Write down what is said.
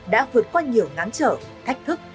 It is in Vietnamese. đã vượt qua nhiều ngáng trở thách thức